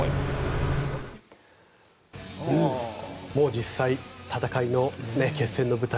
実際に戦いの決戦の舞台